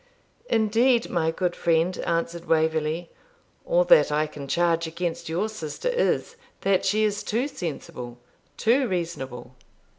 'Indeed, my good friend,' answered Waverley, 'all that I can charge against your sister is, that she is too sensible, too reasonable.'